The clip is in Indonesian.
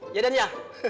iya den ya